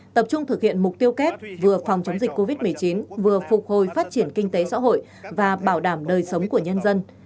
tập trung thực hiện mục tiêu kép vừa phòng chống dịch covid một mươi chín vừa phục hồi phát triển kinh tế xã hội và bảo đảm đời sống của nhân dân